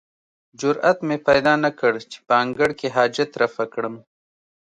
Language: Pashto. جرئت مې پیدا نه کړ چې په انګړ کې حاجت رفع کړم.